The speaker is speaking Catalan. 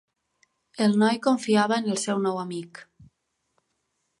El noi confiava en el seu nou amic.